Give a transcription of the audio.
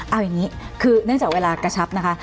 เอาอย่างนี้คือเนื่องจากเวลากระชับนะคะ